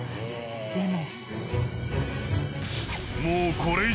でも。